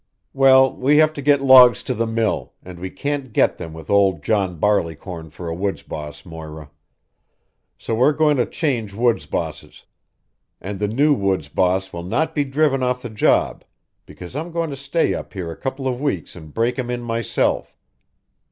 "Well, we have to get logs to the mill, and we can't get them with old John Barleycorn for a woods boss, Moira. So we're going to change woods bosses, and the new woods boss will not be driven off the job, because I'm going to stay up here a couple of weeks and break him in myself.